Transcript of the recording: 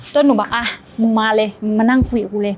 หนูบอกอ่ะมึงมาเลยมึงมานั่งคุยกับกูเลย